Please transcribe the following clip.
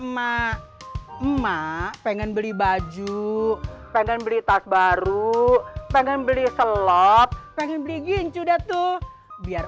emak emak pengen beli baju pengen beli tas baru pengen beli selot pengen beli gin cu datu biar